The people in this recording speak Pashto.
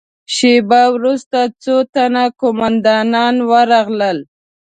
شېبه وروسته څو تنه قوماندانان ورغلل.